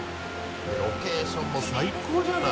ロケーションも最高じゃない！